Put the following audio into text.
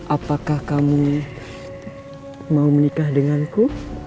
apakah kamu mau menikah denganku